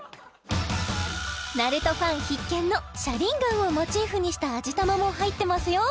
ナルトファン必見の写輪眼をモチーフにした味玉も入ってますよ